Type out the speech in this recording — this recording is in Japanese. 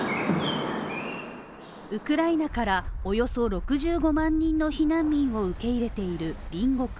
ウクライナからおよそ６５万人の避難民を受け入れている隣国